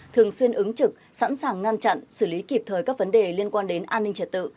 thường xuyên ứng trực sẵn sàng ngăn chặn xử lý kịp thời các vấn đề liên quan đến an ninh trật tự